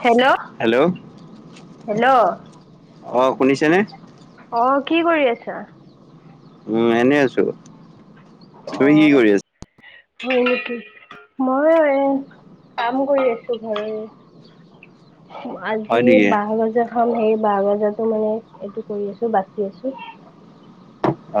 Hello, hello অ', শুনিছেনে অ', কি কৰি আছা উম, এনেই আছোঁ! অ', হয় নেকি মই এ কাম কৰি আছোঁ ঘৰৰে হয় আজি নেকি বাঁহ গজা খাম সেই বাহ গজাতো মানে এইটো কৰি আছোঁ! বাচি আছোঁ!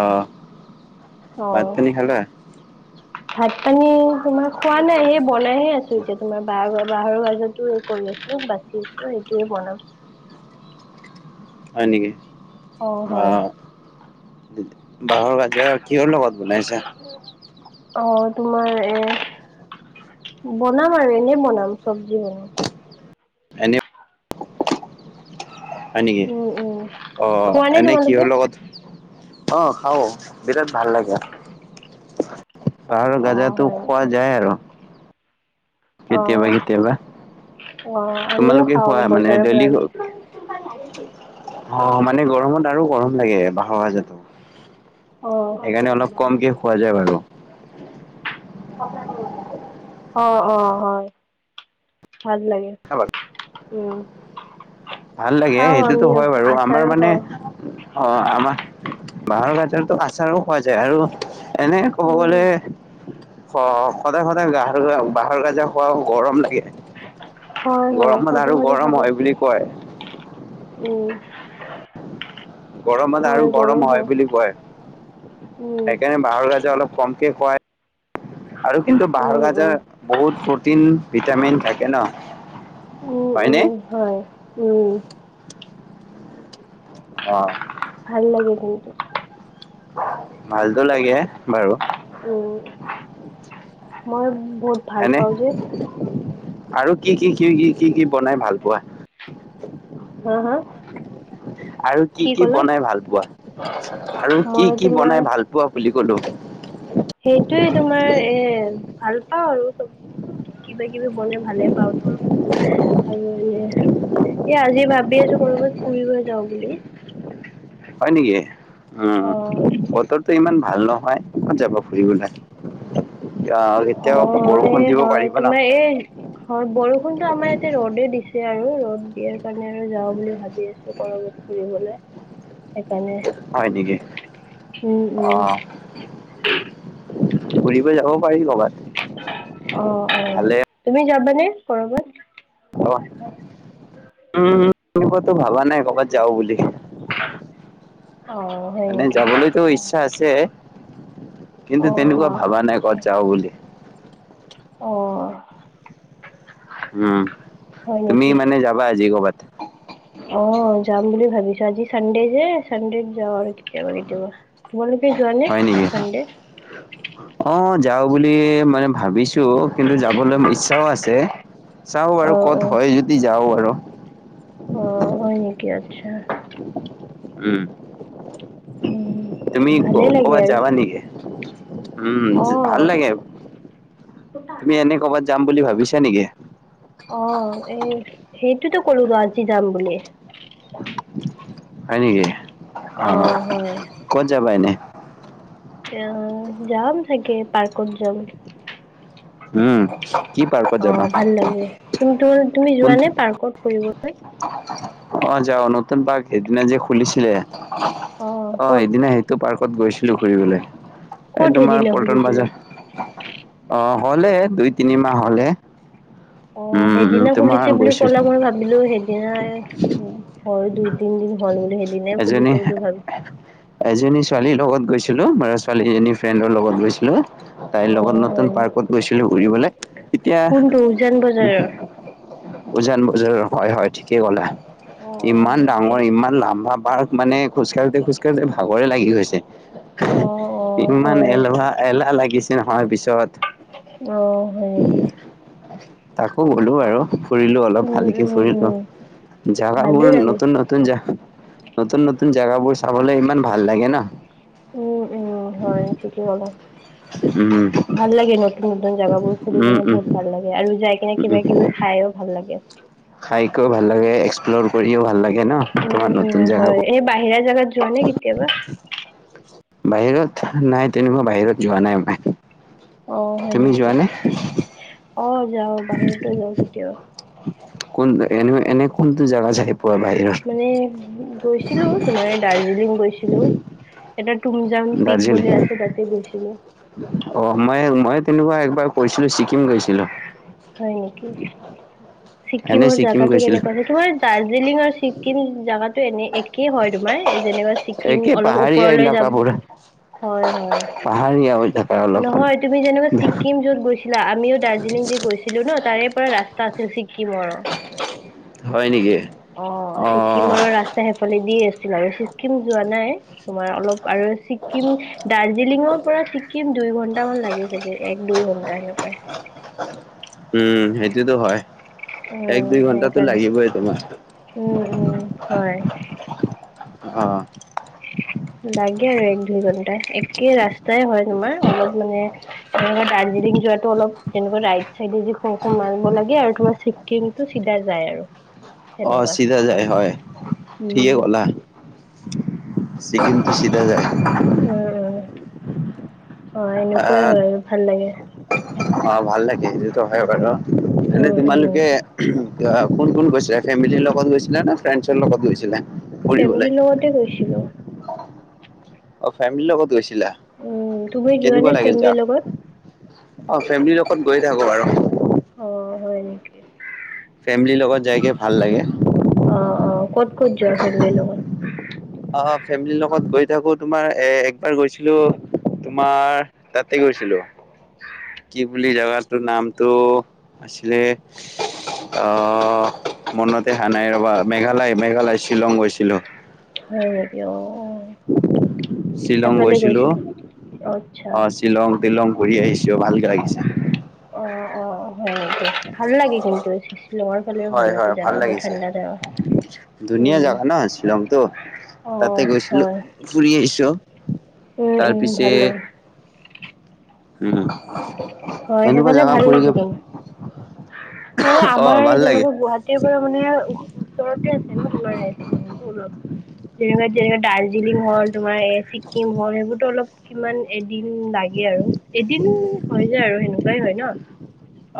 অ' ভাত অ', পানী খালা ভাত পানী তোমাৰ খোৱা নাই! সেই বনাইহে আছোঁ! এতিয়া তোমাৰ বাঁহ গজাতো এই কৰি আছোঁ! বাচি আছোঁ! এইটোয়ে বনাম! হয় নেকি অ' বাঁহৰ গজা কিহৰ লগত বনাইছা অ' তোমাৰ এ বনাম আৰু এনে বনাম! চবজি বনাম! এনে হয় নেকি উম, উম। অ' খোৱা নে এনেই কিহৰ তোমালোকে? লগত অ খাওঁ! বিৰাট ভাল লাগে! বাঁহৰ অ' গজাটো হয় খোৱা নেকি? যায় আৰু কেতিয়াবা, অ' কেতিয়াবা অ আমিও তোমালোকে খাওঁ খোৱা এই মানে বজাৰৰ পৰা ডেইলী আনি অ' মানে গৰমত আৰু গৰম লাগে, বাঁহৰ গজাটো অ সেইকাৰণে অলপ কমকে খোৱা যায় বাৰু অ', অ' হয়! ভাল লাগে! [unintelligible] উম ভাল লাগে! খাওঁ সেইটোতো আমিও হয় বাৰু আমাৰ আচাৰো মানে খাওঁ অ', আমাৰ বাঁহৰ গজাটো আচাৰো খোৱা যায় আৰু এনেই ক'ব উম গ'লে অ সদায় সদায় গাহ বাহৰগজা খোৱা গৰম লাগে হয় হয় গৰমত আৰু সদায় সদায় গৰম ভাবো হয় বুলি কয় উম গৰম হলে আৰু গৰম হয় বুলি কয় উম সেইকাৰণে বাহৰ গাজে অলপ কমকে খুৱাই আৰু কিন্তু বাঁহৰ উম উম গাজৰ বহুত প্ৰটিন ভিটামিন থাকে ন উম হয়নে উম হয় উম অ ভাল লাগে কিন্তু ভালতো লাগে বাৰু উম মই বহুত ভাল এনে পাওঁ যে আৰু কি কি কি কি কি কি বনাই ভাল পোৱা হা হা আৰু কি কি বনাই ভাল পোৱা আৰু মই কি কি তোমাৰ বনাই ভাল পোৱা বুলি কলো সেইটোৱে তোমাৰ এ ভাল পাওঁ আৰু চব কিবা কিবি বনাই ভালে পাওঁ আৰু আৰু এনে এ আজি ভাবি আছো কৰবাত ফুৰিব যাওঁ বুলি হয় নেকি উম অ বতৰতো বতৰতো ইমান ভাল নহয় কত যাবা ফুৰিবলে আহ অ কেতিয়াও বৰষুণ এই দিব হয় পাৰিব ন? তোমাৰ এই হয় বৰষুণটো আমাৰ ইয়াতে ৰ'দে দিছে আৰু ৰ'দ দিয়াৰ কাৰণে আৰু যাও বুলি ভাবি আছো কৰবাত ফুৰিবলে সেইকাৰণে হয় নেকি? উম উম অ', ফুৰিব যাব পাৰি কৰবাত অ অ ভালে তুমি যাবানে কৰ'বাত অ উম এনেকুৱাতো ভাবা নাই কৰ'বাত যাও বুলি অ হয় মানে নেকি যাবলৈতো ইচ্ছা আছে কিন্তু অ অ তেনেকুৱা ভাবা নাই ক'ত আচ্ছা যাওঁ বুলি অ উম হয় তুমি নেকি মানে যাবা আজি ক'ৰবাত অ যাম বুলি ভাবিছো আজি চানডে যে চানডে যাওঁ আৰু কেতিয়াবা কেতিয়াবা যোৱা নে হয় নেকি চানডে? অ যাও বুলি মানে ভাবিছো কিন্তু যাবলে ইচ্ছাও আছে চাওঁ বাৰু অ ক'ত অ হয় যদি যাওঁ বাৰু অ হয় নেকি আচ্ছা উম উম তুমি ভালেই লাগে কৰবাত আৰু যাবা নেকি উম অ ভাল লাগে তুমি এনে কৰ'বাত যাম বুলি ভাবিছা নেকি অ এ সেইটোতো কলো তো আজি যাম বুলি হয় নেকি অ ক'ত যাবা এনে অ যাম চাগে পাৰ্কত যাম উম কি পাৰ্কত যাবা তুম তো তুমি কোন যোৱা নে পাৰ্কত ফুৰিব অ যাওঁ নতুন পাৰ্ক সেইদিনা যে খুলিছিলে অ সেইদিনা সেইটো পাৰ্কত গৈছিলো ফুৰিবলে এই ক'ত তোমাৰ সেইদিনা পল্টন খুলিছিলে? বজাৰ অ হ'লে দুই তিনি মাহ হলে অ উম, উম, সেইদিনা তোমাৰ খুলিছে বুলি গৈছিল কলে মই ভাব ভাবিলো সেইদিনাই হয় দুই তিন দিন হল বুলি সেইদিনাই খুলিছে এজনী বুলি ভাবিছো এজনী ছোৱালীৰ লগত গৈছিলো মৰা ছোৱালী এজনী ফ্ৰেণ্ডৰ লগত গৈছিলো তাইৰ অ লগত নতুন হয় ন পাৰ্কত গৈছিলো ঘূৰিবলে এতিয়া কোনটো উজান বজাৰৰ উজান বজাৰৰ হয় হয় ঠিকে ক'লে অ হয় ইমান নেকি ডাঙৰ ইমান ডাঙৰ আমাৰ পাৰ্ক মানে খোজ কঢ়তে খোজ কাঢ়োতে ভাগৰে লাগি অ অ গৈছে ইমান হয় এলহা এলাহ লাগিছে নহয় পিছত অ হয় নেকি তাকো গ'লো আৰু ফুৰিলো অলপ উম ভালকে উম উম ফুৰিলো ভালেই জেগাবোৰ নতুন লাগে নতুন নতুন জাগা নতুন নতুন জেগাবোৰ চাবলে ইমান ভাল লাগে ন উম উম হয় ঠিকেই ব'লা উম ভাল লাগে নতুন নতন জাগাবোৰ ফুৰি উম কিনে উম বহুত ভাল লাগে আৰু যাই কিনে কিবা কিবি খাইও ভাল লাগে খাইকও ভাল লাগে এক্সপ্ল'ৰ কৰিও ভাল লাগে ন উম তোমাৰ উম নতুন জেগা হয় এই বাহিৰা জাগাত যুৱ নে কেতিয়াবা বাহিৰত নাই তেনেকুৱা বাহিৰত যোৱা নাই মই অ হয় তুমি নেকি যোৱা নে অ যাও বাহিৰতো যাওঁ কেতিয়াওা কোন এনে এনে কোনটো জাগগা চাই পোৱা বাহিৰৰ মানে গৈছিলো তোমাৰ দাৰ্জিলিং গৈছিলো এটা ুমজাউন পিক দাৰ্জিলিং বুলি আছেো তাতে গৈছিলো অ মই মই তেনেকুৱা একবাৰ কৈছিলো ছিকিম গৈছিলো হয় নেকি এনে ছিক্িমৰ ছিকিম জাগাতটো গৈছিলোঁ, কেনেকুৱা আছে তোমাৰ দাৰ্জিলিং আৰু ছিক্িম জাগাতো এনে কি হয় তোমাৰ যেনেকুৱা ছিক্িম একে অলপ পাহাৰীয়া ওপৰলৈ যাম এলেকাবোৰ হয় হয় পাহাৰীয়া এলেকা অলপ। নহয় তুমি যেনেকুৱা ছিক্কিম যত গৈছ ছিলা আমিও দাৰ্জিলিং যে গৈছিলো ন তাৰে পৰা ৰাস্তা আছিল ছিক্কিমৰ হয় নেকি? অ অ', ছিকিমৰ ৰাস্ত সেফালে দি আছিল আৰু ছিক্কিম যোৱা নাই তোমাৰ অলপ আৰু ছিক্িম দাৰ্জিলিঙৰ পৰা ছিক্কিম দুই ঘন্টামান লাগি চাগে এক দুই ঘন্টা সেনেকুৱাই উম সেইটোতো হয় এক অ', দুই ঘণ্টাাতো সেইকাৰণে লাগিবই তোমাৰ উম উম হয় অ লাগে আৰু এক দুই ঘণ্টা একে ৰাস্তাই হয় তোমাৰ অলপ মানে তে দাৰ্জিলিং যোৱাটো অলপ তেনেকুৱা ৰাইট চাইডে যি খু খো মাৰ লাগে আৰু তোমাৰ কিন্তু চিধা যায় আৰু অ সেনেকুৱা চিধা যায় হয় ঠিকে উম, গ'লা চিকিকিমটো সিধ যায় উম উম অ এনেকুৱাই আহ, হয় আৰু ভাল লাগে অ ভাল লাগে সেইটোতো হয় বাৰু এনে উম, উম। তোমালোকে কোন কোন গৈছিলে ফেমিলিৰ লগত গৈছিলে নে ফ্ৰেণ্ডছৰ লগত গৈছিলে ফেমিলিৰ লগতে গৈছিলো অ ফেমিলিৰ লগত গৈছিলা উম, তুমি যোৱা নে কেনেকুৱা লাগিল ফেমিলিৰ যা লগত? অ ফেমিলিৰ লগত গৈে থাকো বাৰু অ হয় নেকি ফেমিলিৰ লগত যাইকে ভাল লাগে অ অ ক'ত ক'ত যোৱা ফেমিলিৰ লগত অ ফেমিলিৰ লগত গৈ থাকো তোমাৰ এ একবাৰ গৈছিলো তোমাৰ তাতে গৈছিলো কি বুলি জেগাটো নামটো আছিলে [unintelligible] আহ মনতে অহা নাই ৰবা মেঘালয়-মেঘালয়, শ্বিলং গৈছিলোঁ। [unintelligible] হয় নেকি অ-অ [unintelligible] শ্বিলং সেইফালে গৈছিলো [inaudible] আচ্ছা। শ্বিলং-তিলং ঘূৰি আহিছোঁ ভালকৈ লাগিছে। [unintelligible] অ-অ, হয় নেকি? ভাল লাগে কিন্তু শিলঙৰ [unintelligible] হলেও ভাল হয় আছে হয় জেগাবোৰ লাগিছে ঠাণ্ডা জেগা। ধুনীয়া উম! জাগা ন শ্বিলংটো [unintelligible] তাতে অঁ! গৈছিলো হয়। [inaudible] ফুৰি আহিছোঁ। উম, উম, তাৰপিছে ভাল লাগে। [unintelligible] উম [unintelligible] হয় সেইফালে জাগা ভাল লাগিব। ফুৰিকে সেই অ আমাৰ ভাল লাগে যেনেকৈ [unintelligible] গুৱাহাটীৰ পৰা মানে ওচৰতে আছে ন তোমাৰ ৰাই [unintelligible] চমো অলপ। যেনেকা-যেনেকা দাৰ্জিলিং হল, তোমাৰ ছিকিম হল, সেইবোৰতো অলপ [unintelligible] কিমান এদিন লাগে আৰু এদিন হয় যায় আৰু সেনেকুৱাই হয় ন। [unintelligible]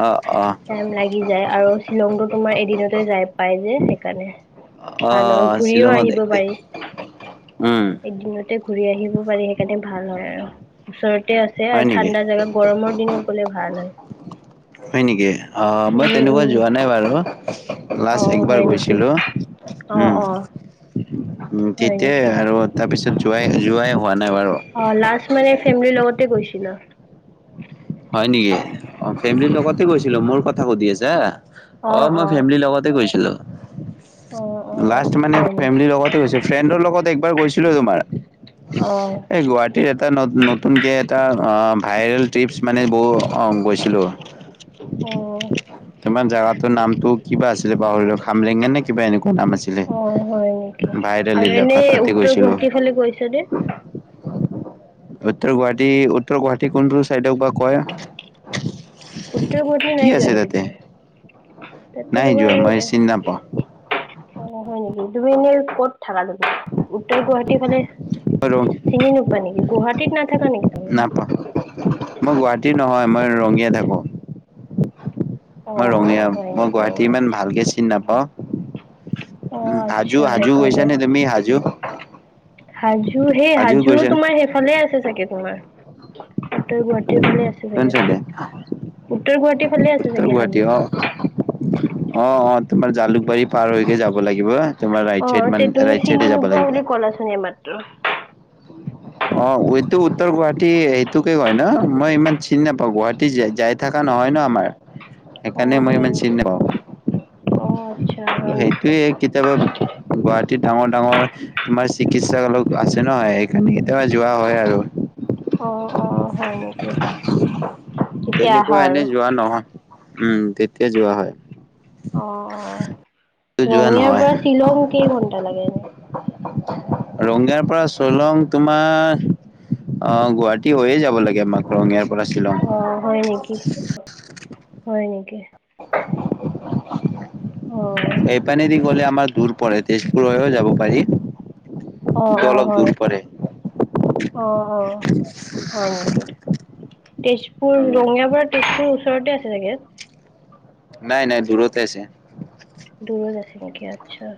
অঁ-অঁ! [unintelligible] যাই আৰু শ্বিলংতো তোমাৰ এদিনতে যাই পাই যে সেইকাৰণে। [unintelligible] অ ভাল আৰু ঘূৰিও শ্বিলঙত আহিব একে পাৰি উম এদিনত। [unintelligible] [unintelligible] ঘূৰি আহিব পাৰি সেইকাৰণে ভাল হয় আৰু ওচৰতে আছে হয় আৰু নেকি ঠাণ্ডা জেগা। গৰমৰ দিনত গ'লে ভাল হয়। [unintelligible] হয় নেকি? অঁ! মই উম তেনেকুৱা উম যোৱা নাই বাৰু। [unintelligible] লাষ্ট অ একবাৰ হয় নেকি গৈছিলোঁ। অ উম! অ হয় তেতিয়াই নেকি আৰু [unintelligible] তাৰপিছত যোৱাই-যোৱাই হোৱা নাই বাৰু। [unintelligible] অঁ লাষ্ট মানে ফেমিলিৰ লগতে গৈছিলা? [unintelligible] হয় নেকি? অ ফেমিলিৰ লগতে গৈছিলোঁ। মোৰ কথা সুধি আছা। [unintelligible] অ, মই ফেমিলিৰ লগতে গৈছিলোঁ। [unintelligible] অ অ লাষ্ট মানে হয় নি ফেমিলিৰ লগতে গৈছোঁ। ফ্ৰেডৰ লগত একবাৰ গৈছিলো তোমাৰ। [unintelligible] অ এই গুৱাহাটীৰ এটা নতুনকে এটা ভাইৰেল ট্ৰিপচ [unintelligible] মানে বহু অঁ গৈছিলোঁ [unintelligible] অঁ! [unintelligible] তোমাৰ জেগাটোৰ নামটো কিবা আছিলে পাহৰিলোঁ খামৰেং নে [unintelligible] কিবা এনেকুৱা নাম আছিলে। অ', হয় ভাইৰেল লিলক তাতে গৈছিলোঁ। কি [unintelligible] বুলি কৈছা যে [unintelligible] উত্তৰ গুৱাহাটী, উত্তৰ গুৱাহাটী কোনটো চাইডক বা কয়? [unintelligible] উত্তৰ গুৱাহাটী কি নাই যোৱা আছে নেকি তাতে তুমি? [inaudible] তাতে নাই তোমাৰ যোৱা [unintelligible] মই চিনি নাপাওঁ অ-অ! হয় নেকি? তুমি এনেই ক'ত থাকা তুমি? উত্তৰ গুৱাহাটী ফালে [unintelligible] আৰু [unintelligible] চিনি নোপোৱা নেকি? গুৱাহাটী [unintelligible] তিত নাথাকা নি? [unintelligible] নাপাওঁ। [inaudible] মই গুৱাহাটীৰ নহয় মই ৰঙিয়াত থাকোঁ। [unintelligible] মই অ', ৰঙীয়া অ', হয় মই নেকি? গুৱাহাটী অ', ইমান আচ্ছা, ভালকে চিনি নাপাওঁ। [unintelligible] উম! অ', আচ্ছা হাজো-হাজো গৈছা সেইকাৰণে। নে তুমি হাজো? [unintelligible] হাজো সেই হাজো গৈছা নে তোমাৰ সেইফালে আছে চাগে তোমাৰ উত্তৰ গুৱাহাটী [unintelligible] গুৱাহাটীৰ ফালে আছে কোন চাগে। চাইডে উত্তৰ গুৱাহাটীৰ ফালে আছে চাগে হাজো। [unintelligible] অ-অ, তোমাৰ জালুকবাৰী পাৰ হৈকে যাব লাগিব। [unintelligible] চাইড অঁ! মান তে তুমি ৰাইট চাইডে চিনি যাব নোপোৱা লাগিব বুলি ক'লা চোন এইমাত্ৰ? [unintelligible] অঁ! এইটো উত্তৰ গুৱাহাটী সেইটোকে কয় ন? মই ইমান চিনি নাপাওঁ গুৱাহাটী যে। যাই [unintelligible] থকা নহয় ন আমাৰ, সেইকাৰণে অ', মই হয় ইমান চিনি নেকি? নেপাওঁ। অ আচ্ছা। হয় নেকি সেইটোৱে কেতিয়াবা গুৱাহাটীত ডাঙৰ ডাঙৰ তোমাৰ চিকিৎসালয় আছে ন সেইখিনি, কেতিয়াবা যোৱা হয় আৰু। অ। অ হয় নেকি [unintelligible] তেতিয়া আহা তেনেকুৱা আৰু এনে যোৱা নহয়, উম তেতিয়া যোৱা হয়। অ অ যোৱা ৰঙিয়াৰ নহয় পৰা শ্বিলং কেইঘন্টা লাগে এনে? ৰঙিয়াৰ পৰা চলং তোমাৰ অ গুৱাহাটী হৈয়ে যাব লাগে আমাক ৰঙীয়াৰ পৰা শ্বিলং। অ হয় নেকি? হয় নেকি? [inaudible] অ। এইপানেদি গ'লে আমাৰ দূৰ পৰে তেজপুৰ হৈও যাব পাৰি। অ টো অ অলপ হয় দূৰ পৰে [unintelligible] অকে। তেজপুৰ অ' ৰঙিয়া পৰা তেজপুৰ ওচৰতে আছে চাগে? নাই নাই দূৰতে আছে। দূৰত আছে নেকি? আচ্ছা।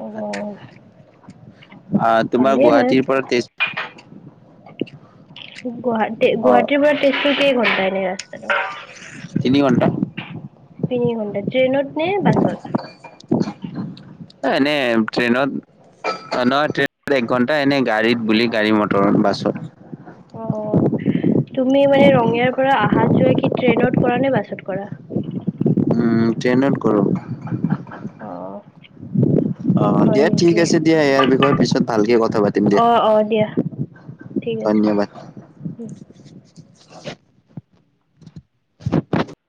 অ অঁ তোমাৰ ভালেই হয় গুৱাহাটীৰ পৰা তেজ [inaudible] গুৱাহাটী অ গুৱাহাটীৰ পৰা তেজপুৰ কেই ঘণ্টা এনেই ৰাস্তাটো? তিনি ঘণ্টা। তিনি ঘণ্টা ট্ৰেইনত নে বাছত? এ এনে ট্ৰেইনত অ নহয় ট্ৰেইনত একঘন্টা, এনেই গাড়ীত বুলি গাড়ী মটৰত বাছত। অ তুমি মানে ৰঙিয়াৰ পৰা আহা যোৱা কি ট্ৰেইনত কৰা নে বাছত কৰা? উম ট্ৰেইনত কৰোঁ। অ। অঁ হয় দিয়া ঠিক নেকি? আছে দিয়া, ইয়াৰ বিষয়ে পিছত ভালকে কথা পাতিম দিয়া। অ', অ', দিয়া ঠিক আছে। ধন্যবাদ। উম।